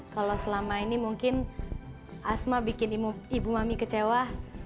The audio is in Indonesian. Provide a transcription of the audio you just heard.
kalau selama ini mungkin asma bikin ibu mami kecewa